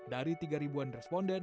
dari tiga ribuan responden